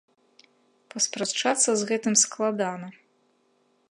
Паспрачацца з гэтым складана.